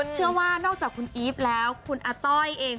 เชื่อว่านอกจากคุณอีฟแล้วคุณอาต้อยเอง